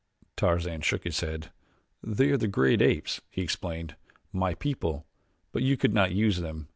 Tarzan shook his head. "They are the great apes," he explained; "my people; but you could not use them.